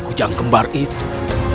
kujang gembar itu